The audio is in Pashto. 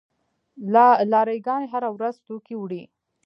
لاری ګانې هره ورځ توکي وړي.